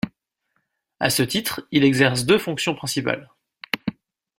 À ce titre, il exerce deux fonctions principales.